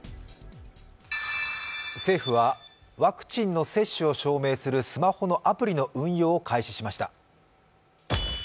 政府はワクチンの接種を証明するスマホのアプリの運用を開始しました。